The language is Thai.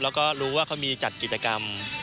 แล้วก็รู้ว่าเขามีจัดกิจกรรม